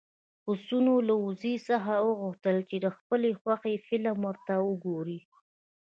پسونه له وزې څخه وغوښتل چې د خپلې خوښې فلم ورته وګوري.